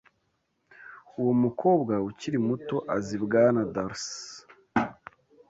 Uwo mukobwa ukiri muto azi Bwana Darcy?